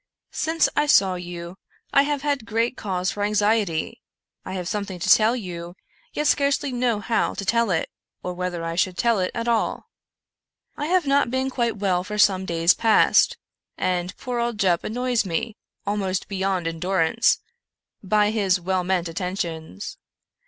" Since I saw you I have had great cause for anxiety. I have something to tell you, yet scarcely know how to tell it, or whether I should tell it at all. " I have not been quite well for some days past, and poor old Jup annoys me, almost beyond endurance, by his well meant attentions.